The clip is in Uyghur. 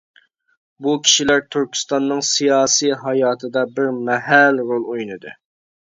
بۇ كىشىلەر تۈركىستاننىڭ سىياسىي ھاياتىدا بىر مەھەل رول ئوينىدى.